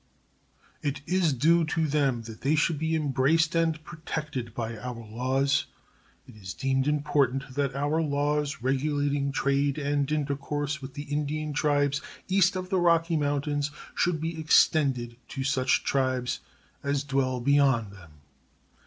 It is due to them that they should be embraced and protected by our laws. It is deemed important that our laws regulating trade and intercourse with the Indian tribes east of the Rocky Mountains should be extended to such tribes as dwell beyond them.